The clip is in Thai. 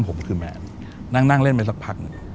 ผมคือแมนนั่งเล่นไปสักพักหนึ่ง